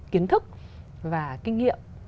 kiến thức và kinh nghiệm